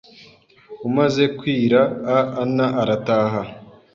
umaze kwira a ana arataha